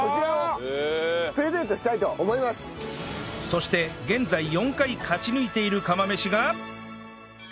そして現在４回勝ち抜いている釜飯が